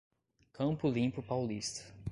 Campo Limpo Paulista